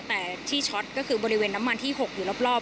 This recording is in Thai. แต่ที่ช็อตก็คือบริเวณน้ำมันที่๖อยู่รอบ